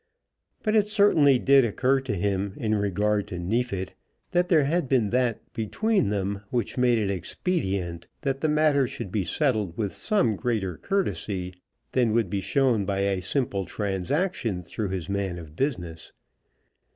But it certainly did occur to him in regard to Neefit, that there had been that between them which made it expedient that the matter should be settled with some greater courtesy than would be shown by a simple transaction through his man of business.